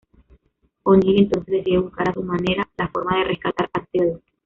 O’Neill entonces decide buscar a su manera la forma de rescatar a Teal’c.